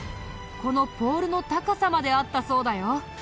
このポールの高さまであったそうだよ。